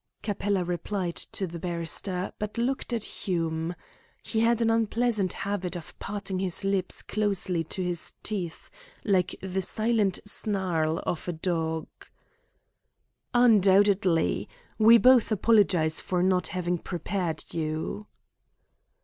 Capella replied to the barrister, but looked at Hume. He had an unpleasant habit of parting his lips closely to his teeth, like the silent snarl of a dog. "Undoubtedly. We both apologise for not having prepared you."